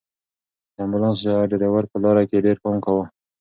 د امبولانس ډرېور په لاره کې ډېر پام کاوه.